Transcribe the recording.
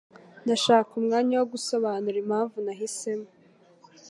Ndashaka umwanya wo gusobanura impamvu nahisemo.